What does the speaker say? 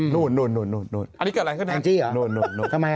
นู่นอันนี้เกิดอะไรขึ้นเนี่ยทางจี้หรอ